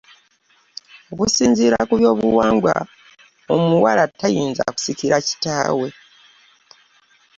Okusinziira ku byobuwangwa ng’omuwala tayinza kusikira kitaawe.